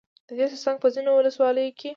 ددې ترڅنگ په ځينو ولسواليو كې